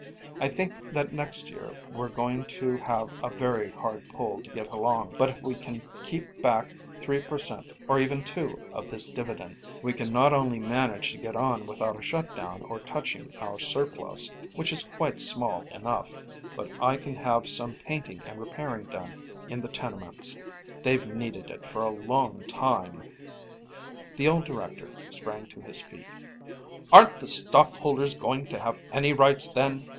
I think that next year we're going to have a very hard pull to get along, but if we can keep back three per cent., or even two, of this dividend we can not only manage to get on without a shut down or touching our surplus, which is quite small enough, but I can have some painting and repairing done in the tenements. They've needed it for a long time " The old director sprang to his feet. "Aren't the stockholders going to have any rights then?"